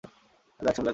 অ্যাজাক, শুনলে তো?